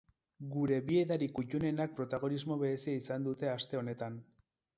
Gure bi edari kuttunenak protagonismo berezia izan dute aste honetan.